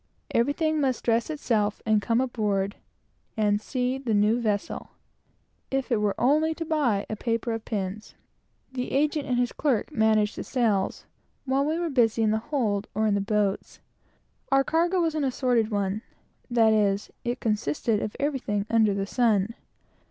Everything must dress itself and come aboard and see the new vessel, if it were only to buy a paper of pins. The agent and his clerk managed the sales, while we were busy in the hold or in the boats. Our cargo was an assorted one; that is, it consisted of everything under the sun.